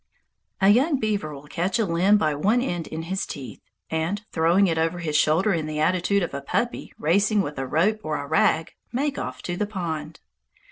A young beaver will catch a limb by one end in his teeth, and, throwing it over his shoulder in the attitude of a puppy racing with a rope or a rag, make off to the pond.